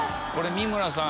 三村さん。